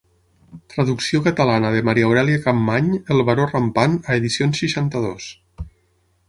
Traducció catalana de Maria Aurèlia Capmany El baró rampant a Edicions seixanta-dos.